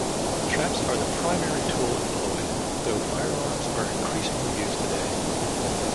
Traps are the primary tool employed, though firearms are increasingly used today.